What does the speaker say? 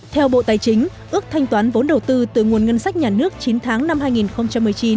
theo bộ tài chính ước thanh toán vốn đầu tư từ nguồn ngân sách nhà nước chín tháng năm hai nghìn một mươi chín